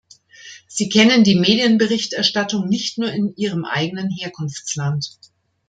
Sie kennen die Medienberichterstattung nicht nur in ihrem eigenen Herkunftsland.